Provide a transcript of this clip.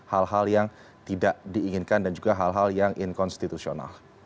hal hal yang tidak diinginkan dan juga hal hal yang inkonstitusional